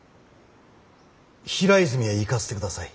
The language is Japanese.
平泉へ行かせてください。